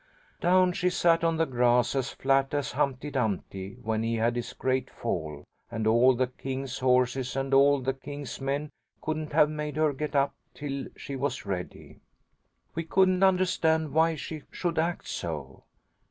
"Down she sat on the grass as flat as Humpty Dumpty when he had his great fall, and all the king's horses and all the king's men couldn't have made her get up till she was ready. We couldn't understand why she should act so.